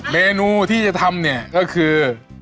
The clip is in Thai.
เมนูที่จะทำเนี่ยก็คือ